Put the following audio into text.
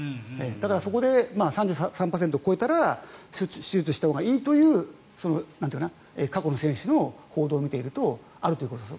だからそこで３３％を超えたら手術をしたほうがいいという過去の選手の報道を見ているとあるということです。